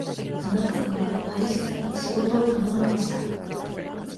田中さんは林さんに仕事を頼まれました。